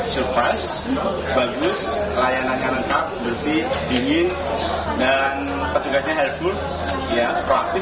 surprise bagus layanannya lengkap bersih dingin dan petugasnya hairful ya proaktif